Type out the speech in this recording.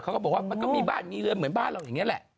เขาก็บอกว่ามันก็มีบ้านมีเรือนเหมือนบ้านเราอย่างนี้แหละ